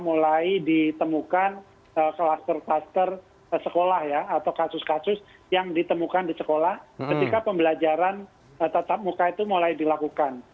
mulai ditemukan kluster kluster sekolah ya atau kasus kasus yang ditemukan di sekolah ketika pembelajaran tatap muka itu mulai dilakukan